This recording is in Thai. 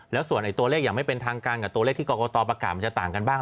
แล้วส่วนตัวเลขอย่างไม่เป็นทางการกับตัวเลขที่กรกตประกาศมันจะต่างกันบ้าง